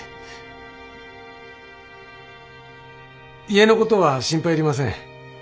家のことは心配いりません。